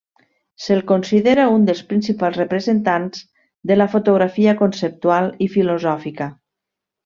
Se'l considera un dels principals representants de la fotografia conceptual i filosòfica.